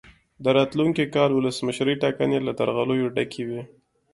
د راتلونکي کال ولسمشرۍ ټاکنې له درغلیو ډکې وې.